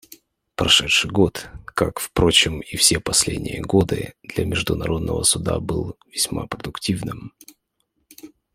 Прошедший год, как, впрочем, и все последние годы, для Международного Суда был весьма продуктивным.